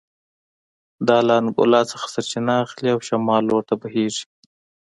دا له انګولا څخه سرچینه اخلي او شمال لور ته بهېږي